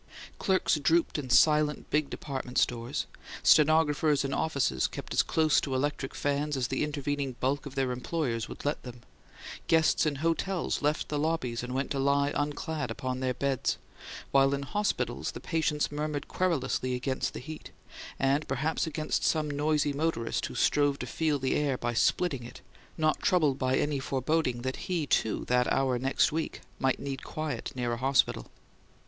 Clerks drooped in silent, big department stores, stenographers in offices kept as close to electric fans as the intervening bulk of their employers would let them; guests in hotels left the lobbies and went to lie unclad upon their beds; while in hospitals the patients murmured querulously against the heat, and perhaps against some noisy motorist who strove to feel the air by splitting it, not troubled by any foreboding that he, too, that hour next week, might need quiet near a hospital.